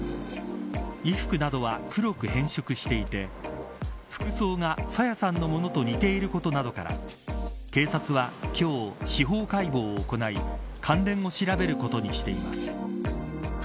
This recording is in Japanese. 衣服などは黒く変色していて服装が朝芽さんのものと似ていることなどから警察は今日、司法解剖を行い関連を調べることにしています。